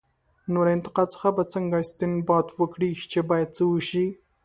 نو له انتقاد څخه به څنګه استنباط وکړي، چې باید څه وشي؟